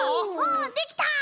おできた！